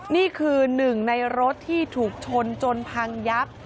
นี่คือหนึ่งในรถที่ถูกชนจนพังยับ